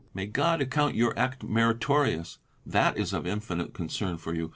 May God account your act meritorious! That is of infinite concern for you.